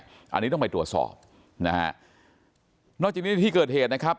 อันนี้ต้องไปตรวจสอบนะฮะนอกจากนี้ในที่เกิดเหตุนะครับ